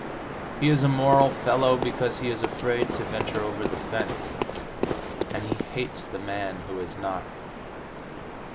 He is a moral fellow because he is afraid to venture over the fence and he hates the man who is not.